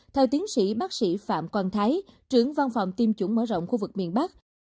theo tiến sĩ bác sĩ phạm quang thái trưởng văn phòng tiêm chủng mở rộng khu vực miền bắc